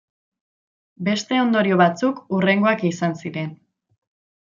Beste ondorio batzuk hurrengoak izan ziren.